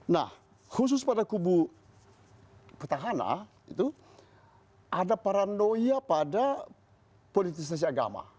nah khusus pada kubu petahana itu ada paranoia pada politisasi agama